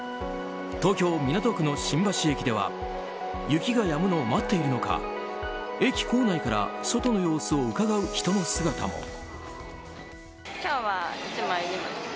東京・港区の新橋駅では雪がやむのを待っているのか駅構内から外の様子をうかがう人の姿も。